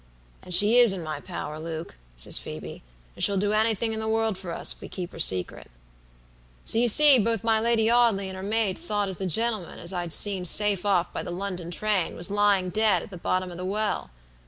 "'And she is in my power, Luke,' says Phoebe; 'and she'll do anythin' in the world for us if we keep her secret.' "So you see both my Lady Audley and her maid thought as the gentleman as I'd seen safe off by the London train was lying dead at the bottom of the well.